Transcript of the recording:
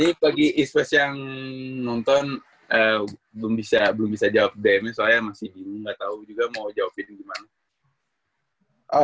oh ini bagi east west yang nonton belum bisa jawab dm nya soalnya masih dingin gak tau juga mau jawabin gimana